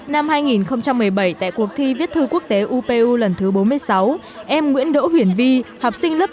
năm hai nghìn một mươi bảy tại cuộc thi viết thư quốc tế upu lần thứ bốn mươi sáu em nguyễn đỗ huyền vi học sinh lớp tám